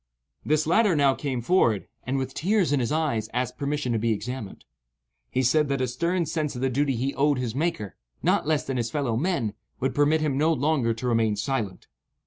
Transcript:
This latter now came forward, and, with tears in his eyes, asked permission to be examined. He said that a stern sense of the duty he owed his Maker, not less than his fellow men, would permit him no longer to remain silent.